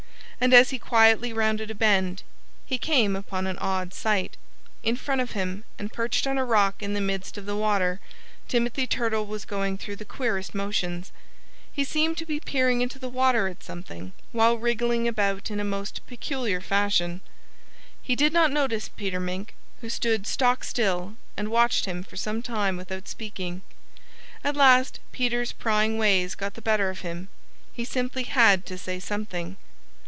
And as he quietly rounded a bend he came upon an odd sight. In front of him, and perched on a rock in the midst of the water, Timothy Turtle was going through the queerest motions. He seemed to be peering into the water at something, while wriggling about in a most peculiar fashion. He did not notice Peter Mink, who stood stock still and watched him for some time without speaking. At last Peter's prying ways got the better of him. He simply had to say something.